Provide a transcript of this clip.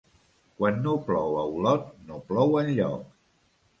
Quan no plou a Olot no plou enlloc.